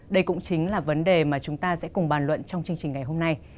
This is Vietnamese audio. đây cũng chính là vấn đề mà chúng ta sẽ cùng bàn luận trong chương trình ngày hôm nay